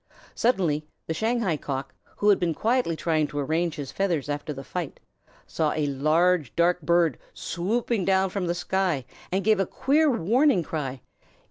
Suddenly the Shanghai Cock, who had been quietly trying to arrange his feathers after the fight, saw a large, dark bird swooping down from the sky and gave a queer warning cry.